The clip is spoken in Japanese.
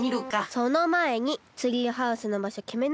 そのまえにツリーハウスのばしょきめないと。